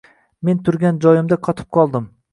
Men turgan joyimda qotib qoldim.